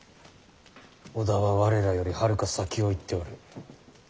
織田は我らよりはるか先を行っておる。